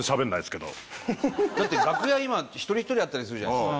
だって楽屋今一人一人だったりするじゃないですか